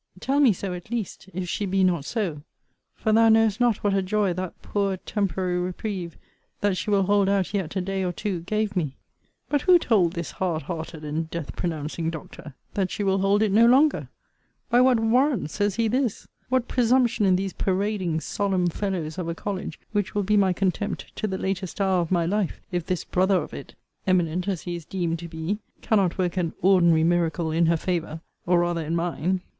Tell me so at least, if she be not so: for thou knowest not what a joy that poor temporary reprieve, that she will hold out yet a day or two, gave me. But who told this hard hearted and death pronouncing doctor that she will hold it no longer? By what warrant says he this? What presumption in these parading solemn fellows of a college, which will be my contempt to the latest hour of my life, if this brother of it (eminent as he is deemed to be) cannot work an ordinary miracle in her favour, or rather in mine!